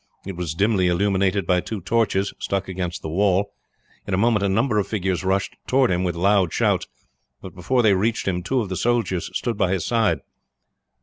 It was dimly illuminated by two torches stuck against the wall. In a moment a number of figures rushed toward him with loud shouts; but before they reached him two of the soldiers stood by his side.